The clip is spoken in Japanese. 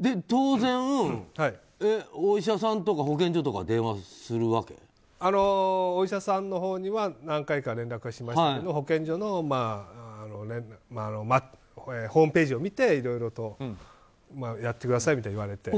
で、当然お医者さんとか保健所とかにお医者さんのほうには何回か連絡をしましたけど保健所のホームページを見ていろいろとやってくださいみたいに言われて。